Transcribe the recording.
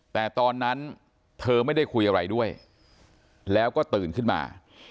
แต่ตอนนั้นเธอไม่ได้คุยอะไรด้วยแล้วก็ตื่นขึ้นมา